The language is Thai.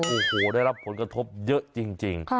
โอ้โหได้รับผลกระทบเยอะจริง